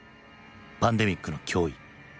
パンデミックの脅威。